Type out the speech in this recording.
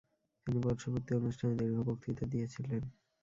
তিনি বর্ষপূর্তি অনুষ্ঠানে দীর্ঘ বক্তৃতা দিয়েছিলেন ।